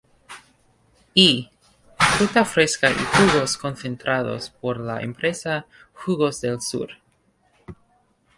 E.: fruta fresca y jugos concentrados por la empresa jugos del sur.